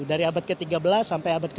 dari abad ke tiga belas sampai abad ke tiga